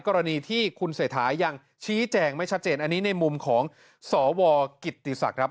กรณีที่คุณเศรษฐายังชี้แจงไม่ชัดเจนอันนี้ในมุมของสวกิตติศักดิ์ครับ